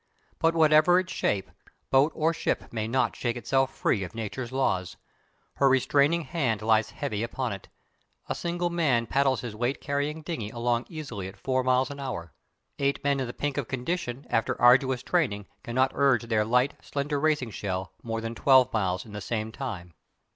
But whatever its shape, boat or ship may not shake itself free of Nature's laws. Her restraining hand lies heavy upon it. A single man paddles his weight carrying dinghy along easily at four miles an hour; eight men in the pink of condition, after arduous training, cannot urge their light, slender, racing shell more than twelve miles in the same time.